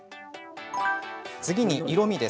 次に色み。